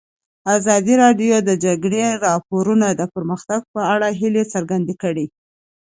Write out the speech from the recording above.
ازادي راډیو د د جګړې راپورونه د پرمختګ په اړه هیله څرګنده کړې.